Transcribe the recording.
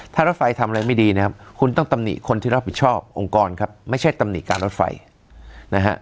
ถ้ารถไฟทำอะไรไม่ดีนะครับคุณต้องตำหนิคนที่รับผิดชอบองค์กรครับไม่ใช่ตำหนิการรถไฟนะฮะ